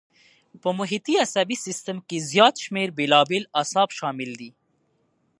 په محیطي عصبي سیستم کې زیات شمېر بېلابېل اعصاب شامل دي.